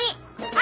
あ。